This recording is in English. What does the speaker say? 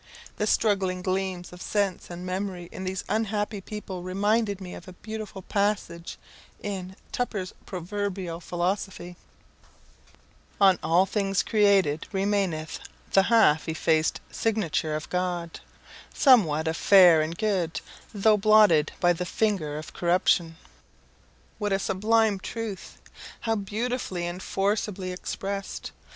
The struggling gleams of sense and memory in these unhappy people reminded me a beautiful passage in "Tupper's Proverbial Philosophy": "On all things created remaineth the half effaced signature of God; Somewhat of fair and good, though blotted by the finger of corruption." What a sublime truth! How beautifully and forcibly expressed!